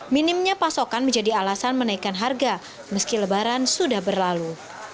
minimnya pasokan menjadi alasan menaikkan harga meski lebaran sudah berlalu